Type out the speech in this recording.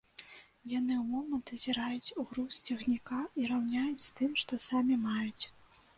Яны ў момант азіраюць груз цягніка і раўняюць з тым, што самі маюць.